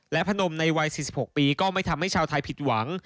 และพนมในวัย๔๖ปีก็ไม่ทำให้ชาวไทยผิดหวัง